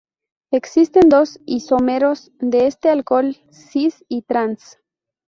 Existen dos isómeros de este alcohol, cis y trans.